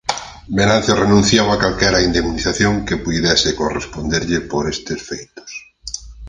Venancio renunciou a calquera indemnización que puidese corresponderlle por estes feitos.